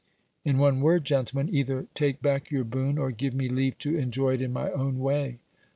In one word, gentlemen, either take back your boon, or give me leave to enjoy it in my own way.